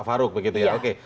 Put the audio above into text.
pak farouk begitu ya oke